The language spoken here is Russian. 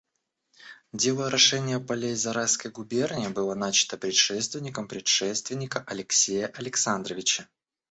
Дело орошения полей Зарайской губернии было начато предшественником предшественника Алексея Александровича.